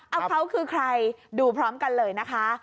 เอาเขาคือใครดูพร้อมกันเลยนะคะ